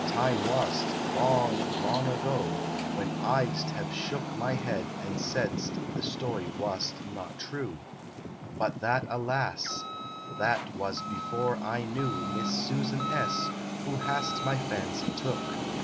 Time wast, long, long ago, when I dst have shook My head and saidst the story wast not true, 37 SONNETS OF A BUDDING BARD But that, alas! that wast before I knew Miss Susan S. who hast my fancy took.